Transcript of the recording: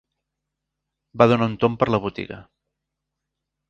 Va donar un tom per la botiga